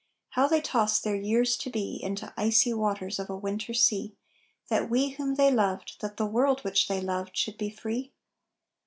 How they tossed their years to be Into icy waters of a winter sea That we whom they loved that the world which they loved should be free?